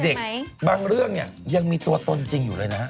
เด็กบางเรื่องยังมีตัวตนจริงอยู่เลยนะ